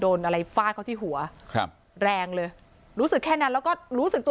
โดนอะไรฟาดเขาที่หัวครับแรงเลยรู้สึกแค่นั้นแล้วก็รู้สึกตัว